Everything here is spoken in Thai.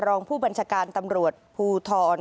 รองผู้บัญชาการตำรวจภูทร